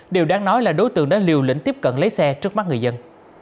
điều đáng nói là đối tượng đã liều lĩnh tiếp cận lấy xe trước mắt người dân